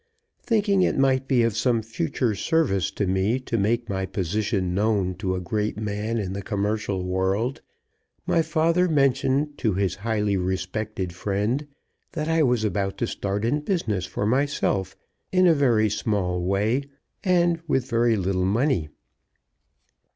Thinking it might be of some future service to me to make my position known to a great man in the commercial world, my father mentioned to his highly respected friend that I was about to start in business for myself in a very small way, and with very little money.